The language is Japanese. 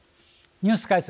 ニュース解説